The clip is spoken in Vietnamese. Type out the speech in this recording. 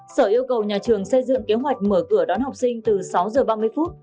sở yêu cầu nhà trường xây dựng kế hoạch mở cửa đón học sinh từ sáu h ba mươi